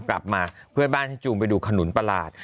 กลับมาเพื่อนบ้านให้จูงไปดูขนุนประหลาด